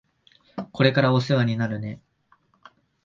これからお世話になるね。